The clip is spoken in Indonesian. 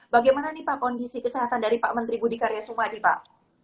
bagaimana nih pak kondisi kesehatan dari pak menteri budi karya sumadi pak